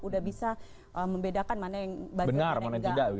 udah bisa membedakan mana yang baik dan mana yang tidak